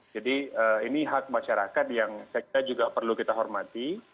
jadi ini hak masyarakat yang saya kira juga perlu kita hormati